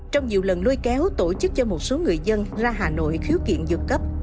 trong nhiều lần lôi kéo tổ chức cho một số người dân ra hà nội khiếu kiện dược cấp